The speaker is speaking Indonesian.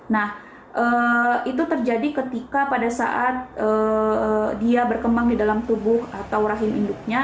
nah itu terjadi ketika pada saat dia berkembang di dalam tubuh atau rahim induknya